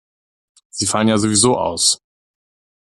Sie fallen ja sowieso aus.